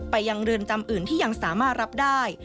ยังเรือนจำอื่นที่ยังสามารถรับได้